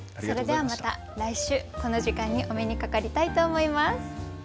それではまた来週この時間にお目にかかりたいと思います。